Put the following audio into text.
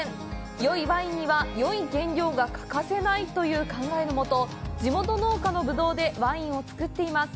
「良いワインには良い原料が欠かせない」という考えのもと、地元農家のぶどうでワインを造っています。